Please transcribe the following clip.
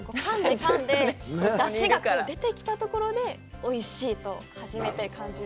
出汁が出てきたところでおいしいと初めて感じる。